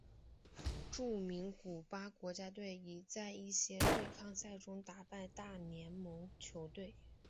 著名古巴国家队已经在一些对抗赛中打败大联盟球队。